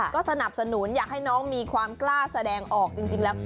ก็สนับสนุนอยากให้น้องมีความกล้าแสดงออกจริงแล้ว